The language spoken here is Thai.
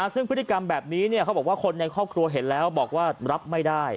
ซึ่งพฤติกรรมแบบนี้เขาบอกว่าคนในครอบครัวเห็นแล้วบอกว่ารับไม่ได้